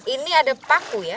ini ada paku ya